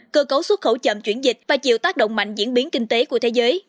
cơ cấu xuất khẩu chậm chuyển dịch và chịu tác động mạnh diễn biến kinh tế của thế giới